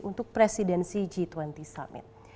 untuk presidensi g dua puluh summit